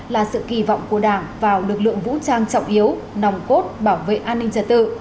là sự kỳ vọng của đảng vào lực lượng vũ trang trọng yếu nòng cốt bảo vệ an ninh trật tự